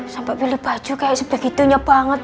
sampai pilih baju kayak sebegitunya banget